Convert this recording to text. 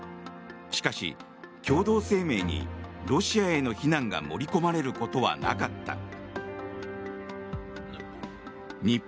しかし、共同声明にロシアへの非難が盛り込まれることはなかった。